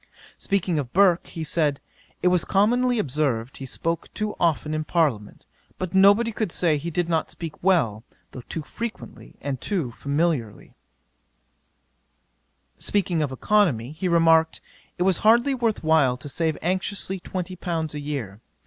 'Speaking of Burke, he said, "It was commonly observed, he spoke too often in parliament; but nobody could say he did not speak well, though too frequently and too familiarly." 'Speaking of economy, he remarked, it was hardly worth while to save anxiously twenty pounds a year.